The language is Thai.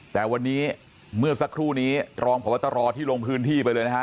แต่วันนี้เมื่อสักครู่นี้รองพบตรที่ลงพื้นที่ไปเลยนะฮะ